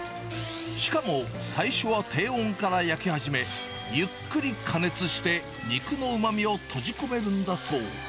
しかも最初は低温から焼き始め、ゆっくり加熱して、肉のうまみを閉じ込めるんだそう。